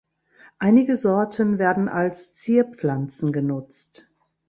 Einige Sorten werden als Zierpflanzen genutzt.